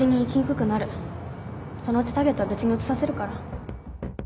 そのうちターゲットは別に移させるから。